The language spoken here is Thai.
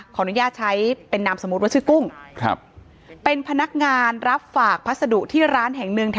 อนุญาตใช้เป็นนามสมมุติว่าชื่อกุ้งครับเป็นพนักงานรับฝากพัสดุที่ร้านแห่งหนึ่ง